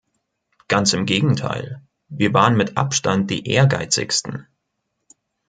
Ganz im Gegenteil, wir waren mit Abstand die Ehrgeizigsten.